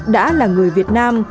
đã là người việt nam